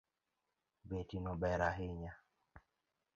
Betino ber ahinya